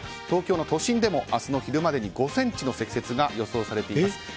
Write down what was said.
東京の都心でも明日の昼までに５ｃｍの積雪が予想されています。